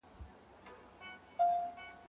د نورو کلتورونه مه کاپي کوئ.